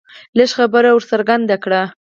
لږ خبره ور څرګنده کړه